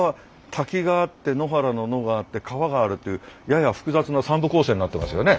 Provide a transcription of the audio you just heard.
「滝」があって野原の「野」があって「川」があるっていうやや複雑な３部構成になってますよね。